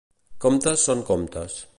Comptes són comptes.